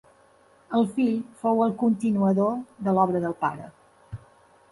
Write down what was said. El fill fou el continuador de l'obra del pare.